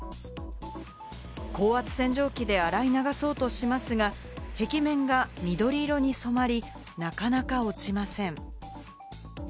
高圧洗浄機で洗い流そうとしますが、壁面が緑色に染まり、なかなか落ちません。